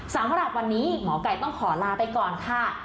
สำหรับวันนี้หมอไก่ต้องขอลาไปก่อนค่ะ